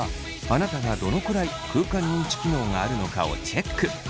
あなたがどのくらい空間認知機能があるのかをチェック。